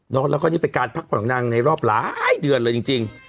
แล้วก็นี่เป็นการพักผ่อนของนางในรอบหลายเดือนเลยจริง